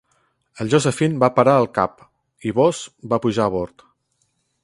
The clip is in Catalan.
El Josephine va parar al cap i Boos va pujar a bord.